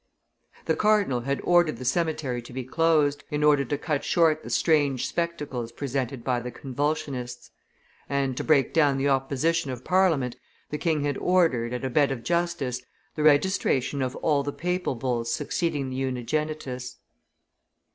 The cardinal had ordered the cemetery to be closed, in order to cut short the strange spectacles presented by the convulsionists; and, to break down the opposition of Parliament, the king had ordered, at a bed of justice, the registration of all the papal bulls succeeding the Unigenitus.